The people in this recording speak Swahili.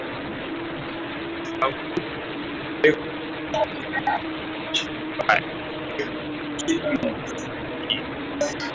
Ba nkuku beko na chimbula minji bari rima busubuyi